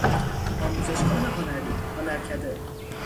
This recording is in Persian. آموزشگاه هنری، هنرکده